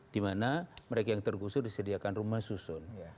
dimana mereka yang tergusur disediakan rumah susun